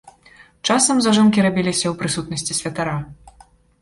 Часам зажынкі рабіліся ў прысутнасці святара.